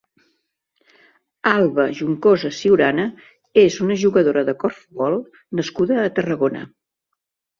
Alba Juncosa Ciurana és una jugadora de corfbol nascuda a Tarragona.